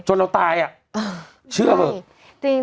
เราตายอ่ะเชื่อเถอะ